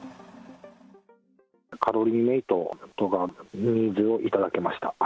カロリーメイトとか、水を頂けました。